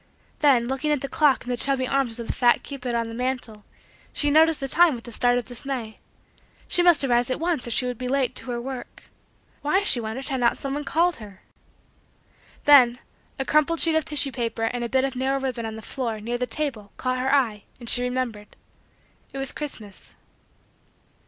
Then, looking at the clock in the chubby arms of the fat cupid on the mantle, she noticed the time with a start of dismay. She must arise at once or she would be late to her work. Why, she wondered, had not someone called her. Then, a crumpled sheet of tissue paper and a bit of narrow ribbon on the floor, near the table, caught her eye and she remembered. It was Christmas.